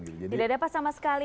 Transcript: tidak dapat sama sekali